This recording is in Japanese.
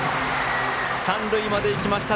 三塁まで行きました